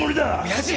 親父！